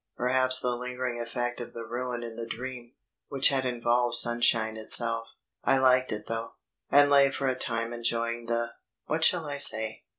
Perhaps the lingering effect of the ruin in the dream, which had involved sunshine itself. I liked it though, and lay for a time enjoying the what shall I say?